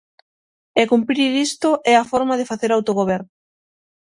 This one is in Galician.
E cumprir isto, é a forma de facer autogoberno.